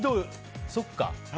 そっか。